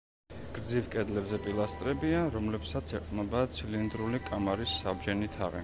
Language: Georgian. გრძივ კედლებზე პილასტრებია, რომლებსაც ეყრდნობა ცილინდრული კამარის საბჯენი თაღი.